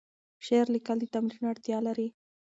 شعر لیکل د تمرین اړتیا لري.